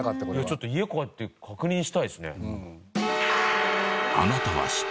ちょっと家帰って確認したいですね。